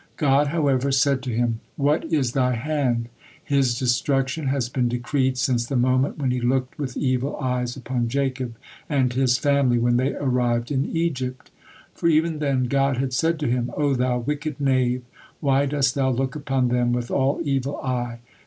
God, however, said to him: "What is thy hand, his destruction has been decreed since the moment when he looked with evil eyes upon Jacob and his family when they arrived in Egypt." For even then God had said to him: "O thou wicked knave, why dost thou look upon them with all evil eye?